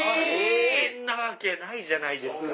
んなわけないじゃないですか。